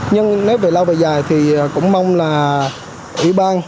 nhưng nếu về lao về dài thì cũng mong là ủy ban